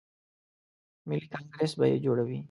ملي کانګریس به یې جوړوي.